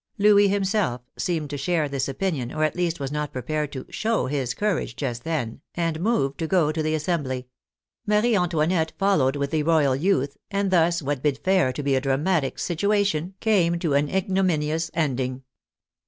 Louis himself seemed to share this opinion, or at least was not prepared to " show " his " courage " just then, and moved to go to the Assem bly. Marie Antoinette followed with the royal youth, and thus what bid fair to be a dramatic " situation '" came to an ignominious ending.